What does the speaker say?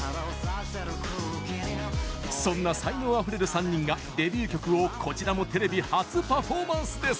そんな才能あふれる３人がデビュー曲を、こちらもテレビ初パフォーマンスです！